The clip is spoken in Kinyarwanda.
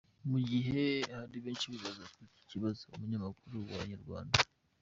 Mu gihe hari benshi bibaza iki kibazo, umunyamakuru wa Inyarwanda.